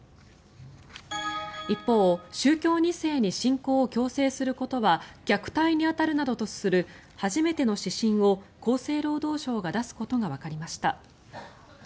一方、宗教２世に信仰を強制することは虐待に当たるなどとする初めての指針を厚生労働省が出すことがわかりました。